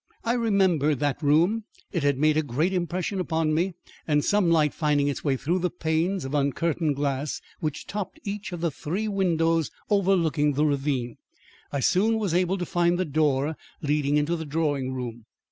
I remembered that room; it had made a great impression upon me, and some light finding its way through the panes of uncurtained glass which topped each of the three windows overlooking the ravine, I soon was able to find the door leading into the drawing room.